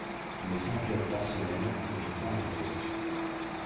Mais cinq heures par semaine ne font pas un poste.